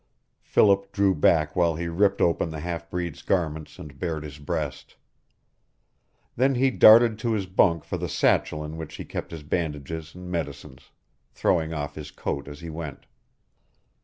Philip drew back while he ripped open the half breed's garments and bared his breast. Then he darted to his bunk for the satchel in which he kept his bandages and medicines, throwing off his coat as he went.